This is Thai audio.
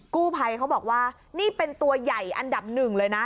กู้ภัยเขาบอกว่านี่เป็นตัวใหญ่อันดับหนึ่งเลยนะ